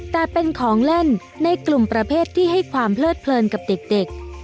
แต่เป็นของเล่นในกลุ่มประเภทที่ให้ความเพลิดเพลินกับเด็ก